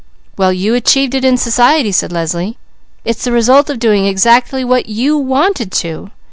"Well you achieved it in society!" said Leslie. "It's the result of doing exactly what you _wanted to!